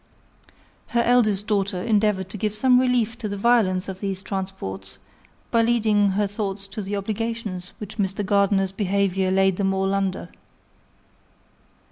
Her eldest daughter endeavoured to give some relief to the violence of these transports, by leading her thoughts to the obligations which Mr. Gardiner's behaviour laid them all under.